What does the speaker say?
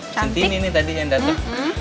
nanti ini tadi yang datang